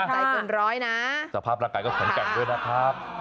ใจเกินร้อยนะสภาพร่างกายก็แข็งแกร่งด้วยนะครับ